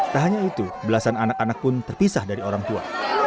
tak hanya itu belasan anak anak pun terpisah dari orang tua